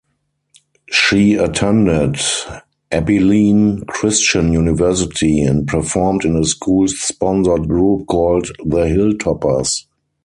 She attended Abilene Christian University and performed in a school-sponsored group called The Hilltoppers.